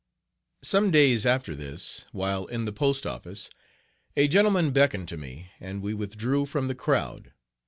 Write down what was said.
Some days after this, while in the post office, a gentleman beckoned to me, and we withdrew from the crowd.